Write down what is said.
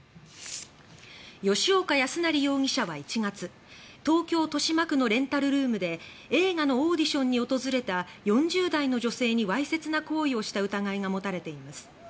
吉岡康成容疑者は１月東京・豊島区のレンタルルームで映画のオーディションに訪れた４０代の女性にわいせつな行為をした疑いが持たれています。